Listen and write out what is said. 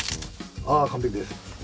あ完璧です。